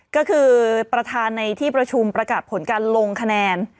ก็คือประธานในที่ประชุมประกาศผลการลงคะแนน